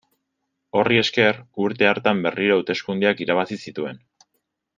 Horri esker, urte hartan berriro hauteskundeak irabazi zituen.